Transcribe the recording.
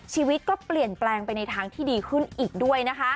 ชีวิตก็เปลี่ยนแปลงไปในทางที่ดีขึ้นอีกด้วยนะคะ